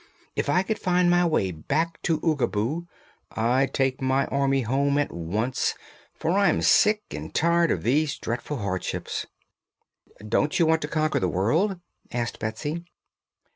If I could find my way back to Oogaboo I'd take my army home at once, for I'm sick and tired of these dreadful hardships." "Don't you want to conquer the world?" asked Betsy.